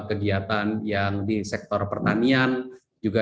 kegiatan yang di sektor pertanian juga